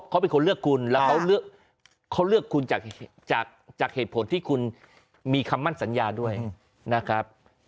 เขาเป็นคนเลือกคุณแล้วเขาเลือกคุณจากเหตุผลที่คุณมีคำมั่นสัญญาด้วยนะครับ